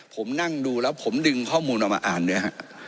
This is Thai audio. ผมนั่งดูแล้วผมดึงข้อมูลออกมาอ่านด้วยฮะ